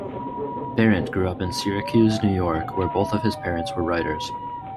Berendt grew up in Syracuse, New York, where both of his parents were writers.